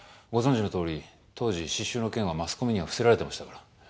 ご存じのとおり当時詩集の件はマスコミには伏せられてましたから。